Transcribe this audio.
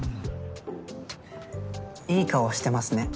いい顔してますね。